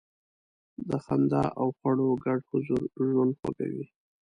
د خندا او خواړو ګډ حضور ژوند خوږوي.